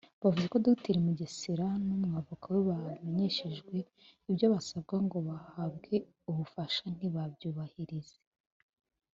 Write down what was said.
Bavuze ko Dr Mugesera n’umwavoka we bamenyeshejwe ibyo basabwa ngo bahabwe ubufasha ntibabyubahirize